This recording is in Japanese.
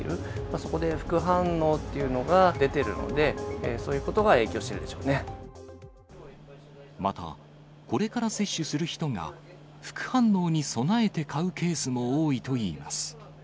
そこで副反応っていうのが出てるので、そういうことが影響してるまた、これから接種する人が副反応に備えて買うケースも多いといいます。